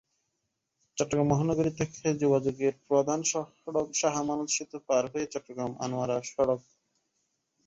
চট্টগ্রাম মহানগরী থেকে যোগাযোগের প্রধান সড়ক শাহ আমানত সেতু পার হয়ে চট্টগ্রাম-আনোয়ারা সড়ক।